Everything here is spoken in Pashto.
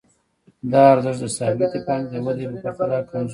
دا ارزښت د ثابتې پانګې د ودې په پرتله کمزوری دی